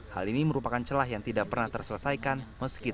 hal ini merupakan celah yang tidak pernah terselesaikan meski teknologi informasi